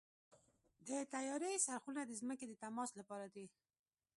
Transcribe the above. د طیارې څرخونه د ځمکې د تماس لپاره دي.